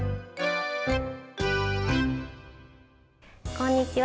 こんにちは。